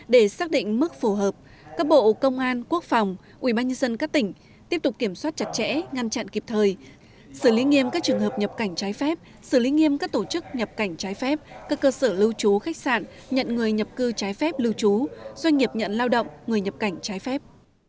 để xác định mức phù hợp các bộ công an quốc phòng ubnd các tỉnh tiếp tục kiểm soát chặt chẽ ngăn chặn kịp thời xử lý nghiêm các trường hợp nhập cảnh trái phép xử lý nghiêm các tổ chức nhập cảnh trái phép các cơ sở lưu trú khách sạn nhận người nhập cư trái phép lưu trú doanh nghiệp nhận lao động người nhập cảnh trái phép